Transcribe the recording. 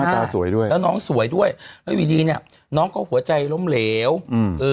แล้วน้องหน้าตาสวยด้วยแล้วน้องสวยด้วยแล้วบีดีเนี่ยน้องก็หัวใจล้มเหลวอืม